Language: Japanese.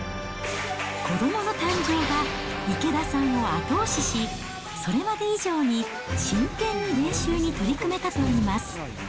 子どもの誕生が池田さんを後押しし、それまで以上に真剣に練習に取り組めたといいます。